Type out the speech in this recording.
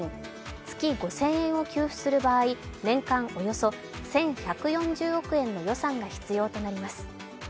月５０００円を給付する場合、年間およそ１１４０億円の予算が必要となります。